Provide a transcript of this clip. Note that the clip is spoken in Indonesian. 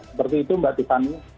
seperti itu mbak titani